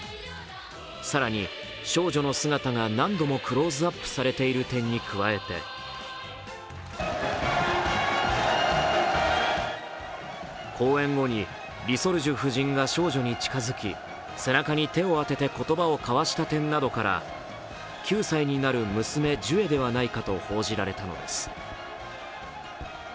更に少女の姿が何度もクローズアップされている点に加えて公演後に、リ・ソルジュ夫人が少女に近づき背中に手を当てて言葉を交わした点などから、９歳になる娘・ジュエではないかと報じられたのです。